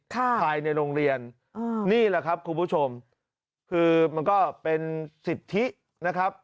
ภายในโรงเรียนอ่านี่แหละครับคุณผู้ชมคือมันก็เป็นสิทธินะครับ